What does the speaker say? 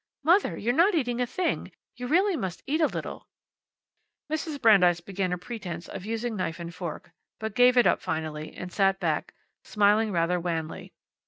"Mother, you're not eating a thing! You really must eat a little." Mrs. Brandeis began a pretense of using knife and fork, but gave it up finally and sat back, smiling rather wanly.